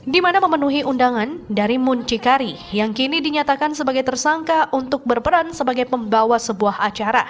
di mana memenuhi undangan dari muncikari yang kini dinyatakan sebagai tersangka untuk berperan sebagai pembawa sebuah acara